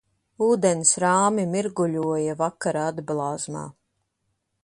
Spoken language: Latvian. Ūdens rāmi mirguļoja vakara atblāzmā